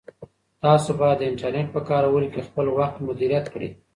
تاسو باید د انټرنیټ په کارولو کې خپل وخت مدیریت کړئ.